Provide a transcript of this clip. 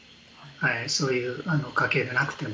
そういう家系でなくても。